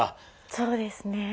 そうですね。